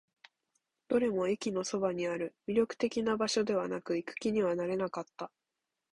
どれも駅のそばにある。魅力的な場所ではなく、行く気にはなれなかった。